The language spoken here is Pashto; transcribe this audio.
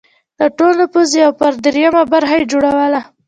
د ټول نفوس یو پر درېیمه برخه یې جوړوله.